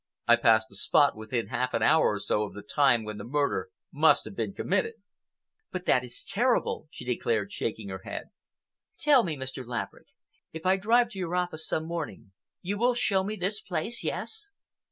I passed the spot within half an hour or so of the time when the murder must have been committed." "But that is terrible!" she declared, shaking her head. "Tell me, Mr. Laverick, if I drive to your office some morning you will show me this place,—yes?"